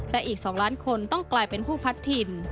และอีก๒ล้านคนต้องกลายเป็นผู้พัดถิ่น